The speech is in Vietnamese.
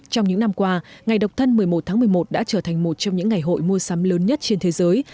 trong những năm qua ngày độc thân một mươi một tháng một mươi một đã trở thành một trong những ngày hội mua sắm lớn nhất trên thế giới